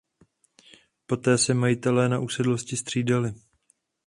Poté se majitelé na usedlosti střídali.